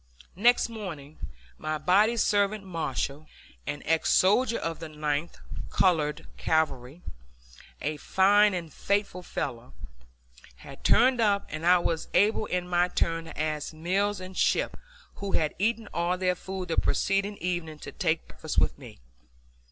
Next morning my body servant Marshall, an ex soldier of the Ninth (Colored) Cavalry, a fine and faithful fellow, had turned up and I was able in my turn to ask Mills and Shipp, who had eaten all their food the preceding evening, to take breakfast with me.